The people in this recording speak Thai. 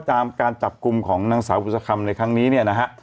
การจับกลุ่มของนางสาวกุศกรรมในครั้งนี้เนี่ยนะฮะ